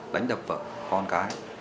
đánh đập vợ con cái